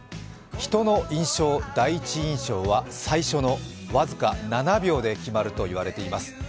人の印象、第一印象は最初の僅か７秒で決まると言われています。